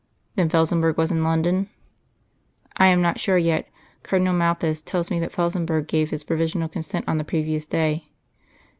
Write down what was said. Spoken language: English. '" "Then Felsenburgh was in London?" "'I am not yet sure. Cardinal Malpas tells me that Felsenburgh gave his provisional consent on the previous day.